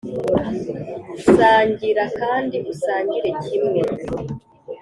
sangira kandi usangire kimwe!